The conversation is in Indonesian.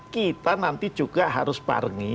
kita nanti juga harus barengi